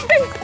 uh uh uh uh